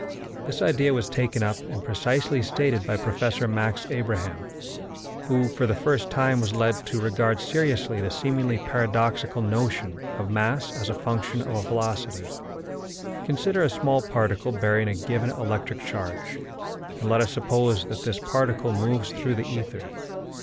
This idea was taken up and precisely stated by Professor Max Abraham, who, for the first time, was led to regard seriously the seemingly paradoxical notion of mass as a function of velocity. Consider a small particle bearing a given electric charge, and let us suppose that this particle moves through the ether.